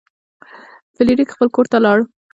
فلیریک خپل کور ته لاړ.